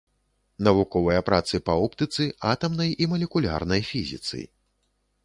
Навуковыя працы па оптыцы, атамнай і малекулярнай фізіцы.